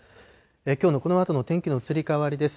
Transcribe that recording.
きょうのこのあとの天気の移り変わりです。